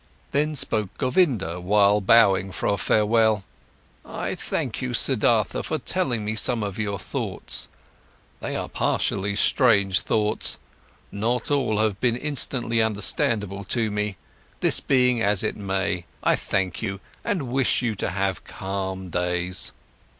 Then spoke Govinda, while bowing for a farewell: "I thank you, Siddhartha, for telling me some of your thoughts. They are partially strange thoughts, not all have been instantly understandable to me. This being as it may, I thank you, and I wish you to have calm days."